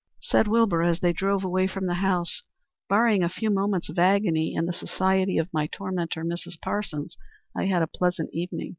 Said Wilbur as they drove away from the house "Barring a few moments of agony in the society of my tormentor, Mrs. Parsons, I had a pleasant evening.